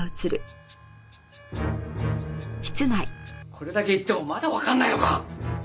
これだけ言ってもまだわかんないのか！？